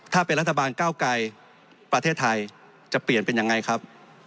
ถ้าเป็นรัฐบาลก้าวไกลประเทศไทยจะเปลี่ยนเป็นยังไงครับ